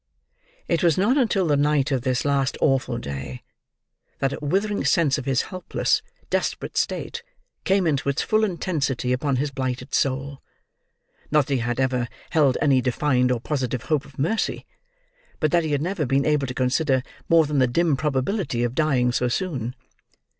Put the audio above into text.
It was not until the night of this last awful day, that a withering sense of his helpless, desperate state came in its full intensity upon his blighted soul; not that he had ever held any defined or positive hope of mercy, but that he had never been able to consider more than the dim probability of dying so soon.